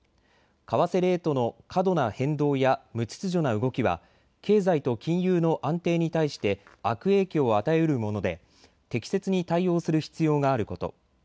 為替レートの過度な変動や無秩序な動きは経済と金融の安定に対して悪影響を与えうるもので適切に対応する必要があること。